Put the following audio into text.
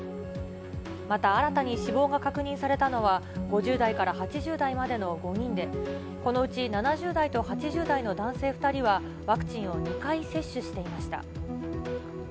また新たに死亡が確認されたのは、５０代から８０代までの５人で、このうち７０代と８０代の男性２人は、ワクチンを２回接種していました。